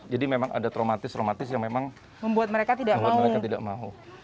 memang ada traumatis romantis yang memang membuat mereka tidak mau